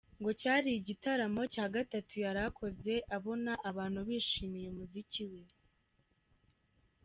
Ngo cyari igitaramo cya gatatu yari akoze abona abantu bishimiye umuziki we.